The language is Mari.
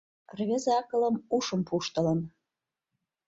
Рвезе акылым, ушым пуштылын